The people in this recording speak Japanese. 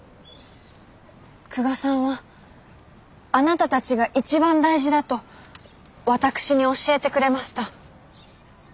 久我さんはあなたたちが一番大事だと私に教えてくれました。